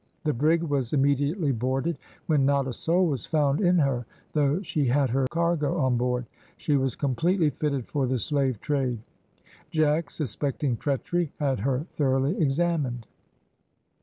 The brig was immediately boarded, when not a soul was found in her, though she had her cargo on board; she was completely fitted for the slave trade. Jack, suspecting treachery, had her thoroughly examined.